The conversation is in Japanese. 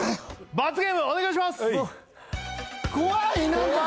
罰ゲームお願いします！